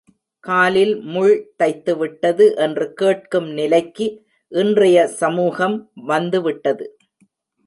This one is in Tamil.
காலில் முள் தைத்துவிட்டது என்று கேட்கும் நிலைக்கு இன்றைய சமூகம் வந்து விட்டது.